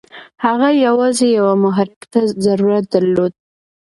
هغه یوازې یوه محرک ته ضرورت درلود.